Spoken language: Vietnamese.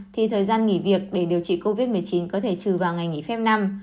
thì thời gian nghỉ việc để điều trị covid một mươi chín có thể trừ vào ngày nghỉ phép năm